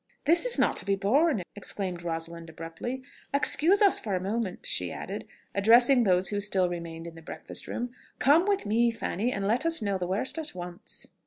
"This is not to be borne!" exclaimed Rosalind abruptly. "Excuse us for a moment," she added, addressing those who still remained in the breakfast room. "Come with me, Fanny, and let us know the worst at once."